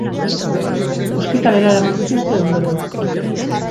Ospitalera eraman dituzte ondoren.